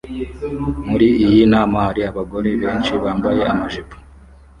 Muri iyi nama hari abagore benshi bambaye amajipo